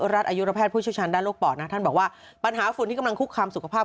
ข้างนั้นท่านบอกว่าปัญหาฝุ่นที่กำลังคลุกคามสุขภาพ